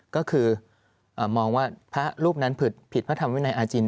ก็คือมองว่าพระรูปนั้นผิดมาทำไว้ในอาจิน